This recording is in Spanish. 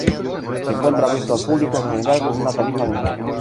Se encuentra abierto al público en general con una tarifa de entrada.